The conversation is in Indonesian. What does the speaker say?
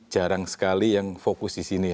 jarang sekali yang fokus di sini